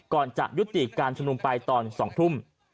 ก่อนจะยุติการชุมนุมไปตอน๒ทุ่ม